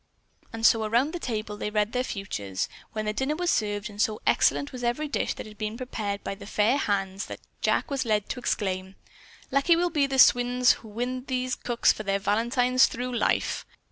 And so around the table they read their futures, then the dinner was served, and so excellent was every dish that had been prepared by the fair hands that Jack was led to exclaim: "Lucky will be the swains who win these cooks for their valentines through life."